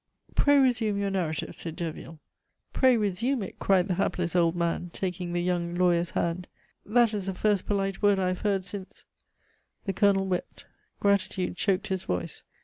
"Pray resume your narrative," said Derville. "'Pray resume it!'" cried the hapless old man, taking the young lawyer's hand. "That is the first polite word I have heard since " The Colonel wept. Gratitude choked his voice.